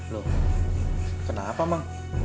loh kenapa bang